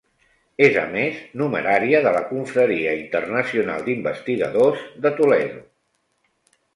És, a més, Numerària de la Confraria Internacional d'Investigadors de Toledo.